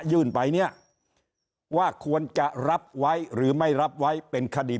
ยื่นไปเนี่ยว่าควรจะรับไว้หรือไม่รับไว้เป็นคดี